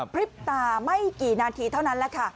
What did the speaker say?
พริบตาไม่กี่นาทีเท่านั้นแหละค่ะ